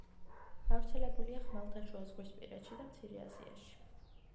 გავრცელებულია ხმელთაშუაზღვისპირეთში და მცირე აზიაში.